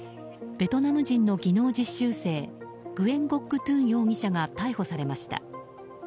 ベトナム人の技能実習生グエン・ゴック・トゥン容疑者が逮捕されました。